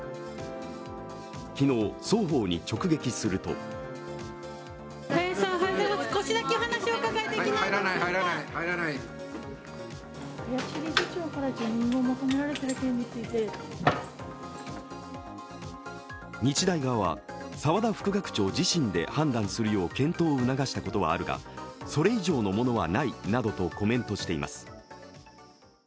昨日、双方に直撃すると日大側は、澤田副学長自身で判断するよう検討を促したことはあるがそれ以上のものはないなどとコメントしています。